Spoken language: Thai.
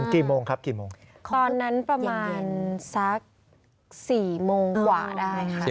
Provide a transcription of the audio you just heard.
กี่โมงครับกี่โมงเย็นตอนนั้นประมาณสัก๔โมงกว่าได้